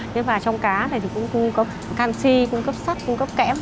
nhưng mà trong cá này cũng cung cấp canxi cung cấp sắt cung cấp kẽm